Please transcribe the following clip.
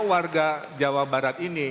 warga jawa barat ini